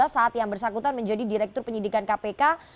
saat yang bersangkutan menjadi direktur penyidikan kpk